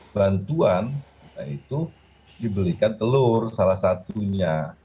bantuan yaitu dibelikan telur salah satunya